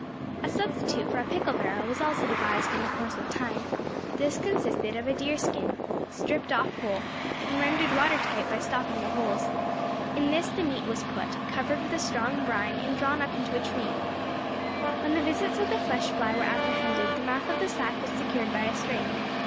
A substitute for a pickle barrel was also devised in the course of time; this consisted of a deer's skin, stripped off whole, and rendered water tight by stopping the holes; in this the meat was put, covered with a strong brine, and drawn up into a tree. When the visits of the flesh fly were apprehended, the mouth of the sack was secured by a string.